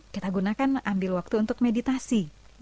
kita gunakan ambil waktu untuk meditasi